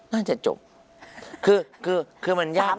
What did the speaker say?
น่าจะจบคือคือมันยาก